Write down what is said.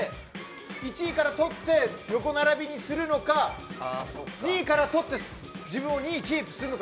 １位から取って横並びにするのか２位から取って自分の２位をキープするのか。